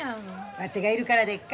わてがいるからでっか？